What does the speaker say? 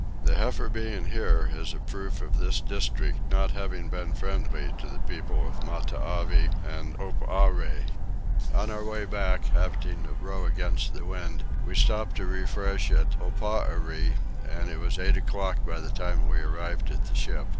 The heifer being here is a proof of this district not having been friendly to the people of Matavai and Oparre. In our way back, having to row against the wind, we stopped to refresh at Oparre, and it was eight o'clock by the time we arrived at the ship.